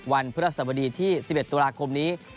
พฤษบดีที่๑๑ตุลาคมนี้